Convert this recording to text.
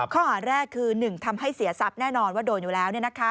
ข้อหาแรกคือ๑ทำให้เสียทรัพย์แน่นอนว่าโดนอยู่แล้ว